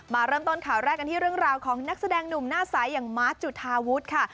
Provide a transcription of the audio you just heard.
มาเริ่มต้นข่าวแรกกันที่เรื่องราวของนักแสดงหนุ่มหน้าใสอย่างมาร์ทจุธาวุฒิค่ะ